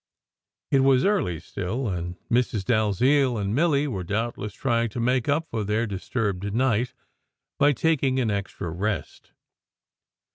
It was early still, and Mrs. Dalziel and Milly were doubtless trying to make up for their dis turbed night by taking an extra rest.